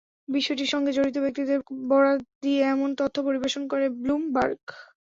বিষয়টির সঙ্গে জড়িত ব্যক্তিদের বরাত দিয়ে এমন তথ্য পরিবেশন করে ব্লুমবার্গ।